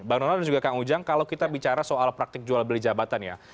bang donald dan juga kang ujang kalau kita bicara soal praktik jual beli jabatan ya